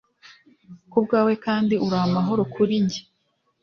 Kubwawe kandi uramahoro kurijye